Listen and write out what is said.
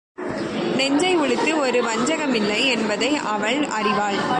நெஞ்சை ஒளித்து ஒரு வஞ்சகமில்லை என்பதை அவள் அறிவாள்.